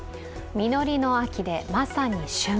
実りの秋で、まさに旬。